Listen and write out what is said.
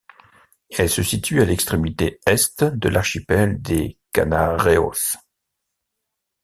Elle se situe à l'extrémité est de l'archipel des Canarreos.